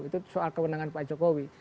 itu soal kewenangan pak jokowi